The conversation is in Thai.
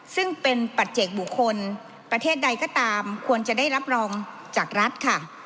ซึ่งเป็นปัจเจกบุคคลประเทศใดก็ตามควรจะได้รับรองจากรัฐค่ะ